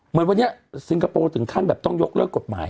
เหมือนวันนี้สิงคโปร์ถึงขั้นแบบต้องยกเลิกกฎหมาย